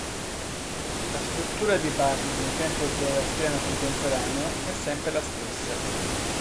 La struttura di base di un tempio zoroastriano contemporaneo è sempre la stessa.